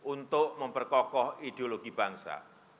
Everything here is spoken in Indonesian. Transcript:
untuk memperkokoh ideologi bangsa